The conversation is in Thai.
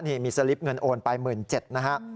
นี่มีสลิปเงินโอนไป๑๗๐๐นะฮะ